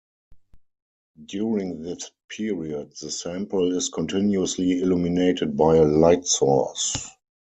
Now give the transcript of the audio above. During this period, the sample is continuously illuminated by a light source.